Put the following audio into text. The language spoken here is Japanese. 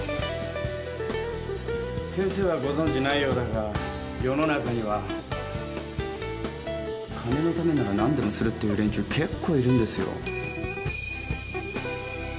先生はご存じないようだが世の中には金のためなら何でもするっていう連中結構いるんですよ。